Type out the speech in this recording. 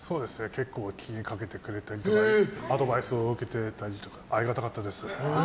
結構気にかけたりしてくれてアドバイスを受けたりありがたかったです。